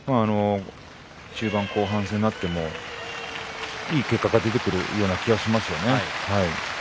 中盤後半戦になってもいい結果が出てくるような気がしますね。